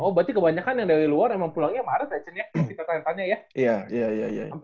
oh berarti kebanyakan yang dari luar emang pulangnya maret ya cen ya